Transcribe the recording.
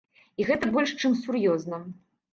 І гэта больш чым сур'ёзна.